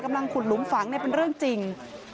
กำลังขุดหลุมฝังเป็นเรื่องจริง